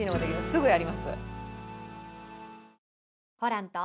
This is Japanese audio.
すぐやります。